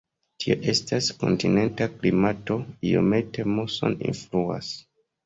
Tio estas kontinenta klimato, iomete musono influas.